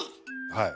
はい。